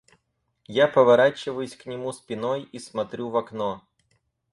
Я поворачиваюсь к нему спиной и смотрю в окно.